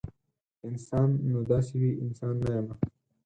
انسان نو داسې وي؟ انسان نه یمه